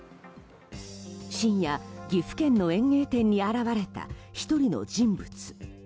深夜、岐阜県の園芸店に現れた１人の人物。